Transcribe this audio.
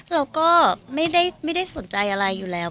เราก็ไม่ได้สนใจอะไรอยู่แล้ว